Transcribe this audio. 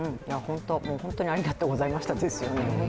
もう本当にありがとうございましたですよね。